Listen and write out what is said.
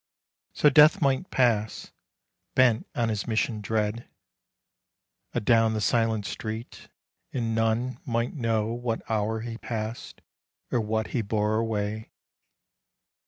So Death might pass, bent on his mission dread, Adown the silent street, and none might know What hour he passed or what he bore away.